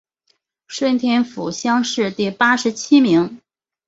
顺天府乡试第八十七名。